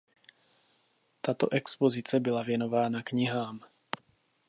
Tato expozice byla věnována knihám.